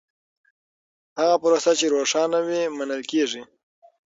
هره پروسه چې روښانه وي، منل کېږي.